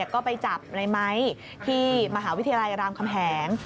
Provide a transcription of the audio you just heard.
ก็ไปจับในไม้ที่มหาวิทยาลัยรามคำแหง